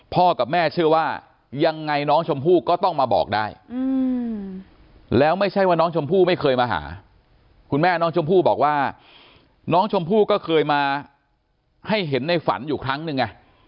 กับแม่เชื่อว่ายังไงน้องชมพู่ก็ต้องมาบอกได้แล้วไม่ใช่ว่าน้องชมพู่ไม่เคยมาหาคุณแม่น้องชมพู่บอกว่าน้องชมพู่ก็เคยมาให้เห็นในฝันอยู่ครั้งหนึ่งไง